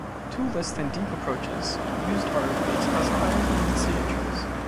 Two less than deep approaches used are Bayes classifiers and decision trees.